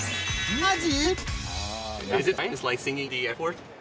マジ！？